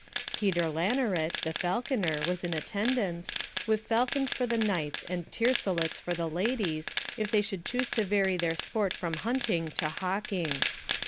Peter Lanaret, the falconer, was in attendance, with falcons for the knights and teircelets for the ladies, if they should choose to vary their sport from hunting to hawking.